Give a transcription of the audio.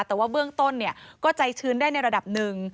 แต่ว่าเบื้องต้นก็ใจชื้นได้ในระดับหนึ่ง